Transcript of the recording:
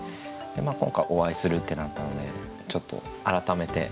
今回お会いするってなったのでちょっと改めて歌集も読ませて頂いて。